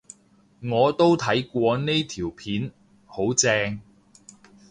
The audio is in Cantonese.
我都睇過呢條片，好正